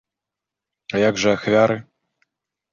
А як жа ахвяры?